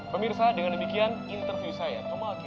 pemirsa dengan demikian interview saya kembali